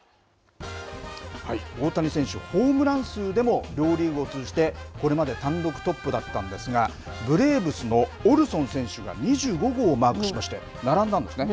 大谷選手、ホームラン数でも両リーグを通じてこれまで単独トップだったんですが、ブレーブスのオルソン選手が２５号をマークしまして、並んだんですね。